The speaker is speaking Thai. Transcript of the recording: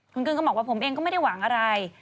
คุณกึ้งก็บอกว่าผมเองก็ไม่ได้หวังอะไร